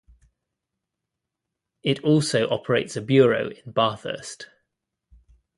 It also operates a bureau in Bathurst.